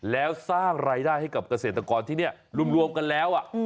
แล้วสร้างรายได้ให้กับเกษตรกรที่นี่รวมกันแล้ว